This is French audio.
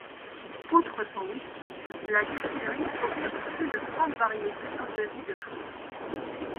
Outre son whisky, la distillerie propose plus de trente variétés d'eaux-de-vie de fruits.